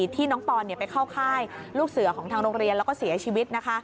ที่น้องปอนไปเข้าค่ายลูกเสือของทางโรงเรียนแล้วก็เสียชีวิต